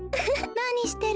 なにしてるの？